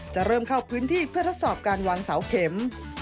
จะเริ่มเข้าพื้นที่เพื่อทดสอบการวางเสาเข็ม